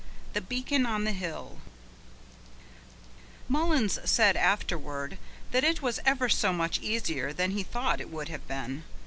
The Beacon on the Hill Mullins said afterward that it was ever so much easier than he thought it would have been.